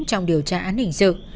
trong điều tra án hình sự